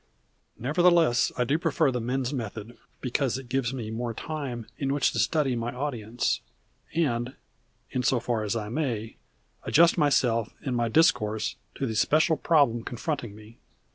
Nevertheless, I do prefer the men's method, because it gives me more time in which to study my audience, and, in so far as I may, adjust myself and my discourse to the special problem confronting me.